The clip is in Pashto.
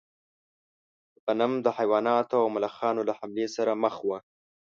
غنم د حیواناتو او ملخانو له حملې سره مخ و.